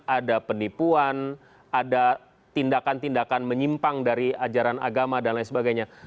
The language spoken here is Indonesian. ada penipuan ada tindakan tindakan menyimpang dari ajaran agama dan lain sebagainya